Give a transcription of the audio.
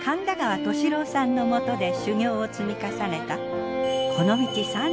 田川俊郎さんのもとで修業を積み重ねたこの道